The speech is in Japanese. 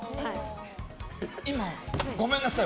今、ごめんなさい。